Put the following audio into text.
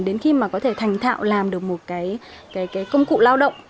đến khi mà có thể thành thạo làm được một cái công cụ lao động